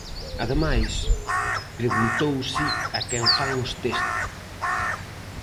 Ademais, preguntouse a quen fan os test.